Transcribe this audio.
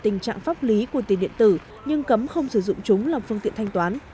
tình trạng pháp lý của tiền điện tử nhưng cấm không sử dụng chúng làm phương tiện thanh toán